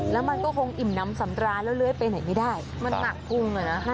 แล้วมันก็คงอิ่มน้ำสำราญแล้วเลื้อยไปไหนไม่ได้มันหนักกุ้งอ่ะนะ